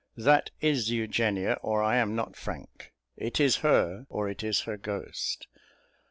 That is Eugenia, or I am not Frank. It is her, or it is her ghost."